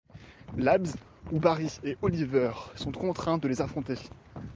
Labs, où Barry et Oliver sont contraints de les affronter.